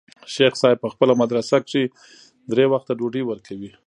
شيخ صاحب په خپله مدرسه کښې درې وخته ډوډۍ وركوي.